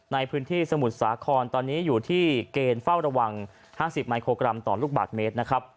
ในพื้นที่สมุทรสาครตอนนี้อยู่ที่เกณฑ์เฝ้าระวัง๕๐มิโครกรัมต่อลูกบาทเมตรนะครับ